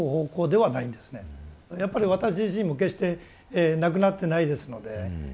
やっぱり私自身も決してなくなってないですので。